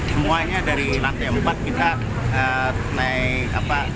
semuanya dari lantai empat kita naik